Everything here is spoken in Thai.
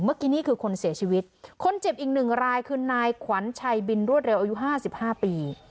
เมื่อกี้นี่คือคนเสียชีวิตคนเจ็บอีกหนึ่งรายคือนายขวัญชัยบินรวดเร็วอายุห้าสิบห้าปี